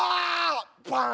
バン！